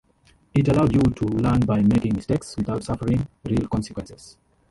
It allowed you to learn by making mistakes, without suffering real consequences.